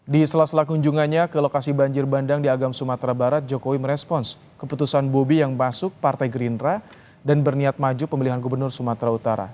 di sela sela kunjungannya ke lokasi banjir bandang di agam sumatera barat jokowi merespons keputusan bobi yang masuk partai gerindra dan berniat maju pemilihan gubernur sumatera utara